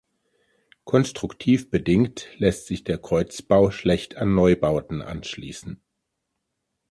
Konstruktiv bedingt lässt sich der Kreuzbau schlecht an Neubauten anschließen.